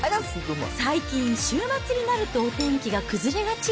最近、週末になるとお天気が崩れがち。